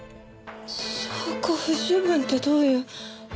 証拠不十分ってどういう。